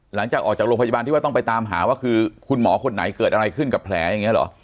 หลังจากออกจากโรงพยาบาลที่ว่าต้องไปตามหาว่าคือคุณหมอคนไหนเกิดอะไรขึ้นกับแผลอย่างนี้เหรอ